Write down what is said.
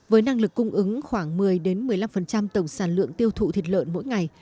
với năng lực cung ứng khoảng một mươi một mươi năm tổng sản lượng tiêu thụ thịt lợn mỗi ngày